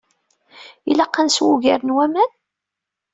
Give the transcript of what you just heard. Ilaq ad nsew ugar n waman?